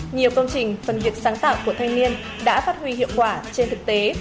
nhiều công trình phần việc sáng tạo của thanh niên đã phát huy hiệu quả trên thực tế